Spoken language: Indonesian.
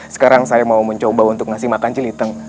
sekarang saya mau mencoba untuk ngasih makan celiteng